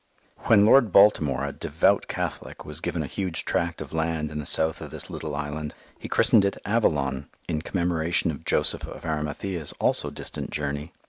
When Lord Baltimore, a devout Catholic, was given a huge tract of land in the south of this little island, he christened it Avalon in commemoration of Joseph of Arimathea's also distant journey.